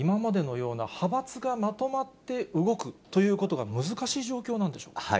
今回は、今までのような派閥がまとまって動くということが難しい状況なんでしょうか。